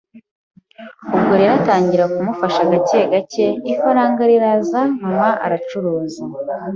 Ubwo rero, atangira kumufasha gake gake, ifaranga riraza mama aracuruza